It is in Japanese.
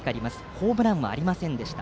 ホームランはありませんでした。